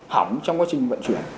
hỏng trong quá trình vận chuyển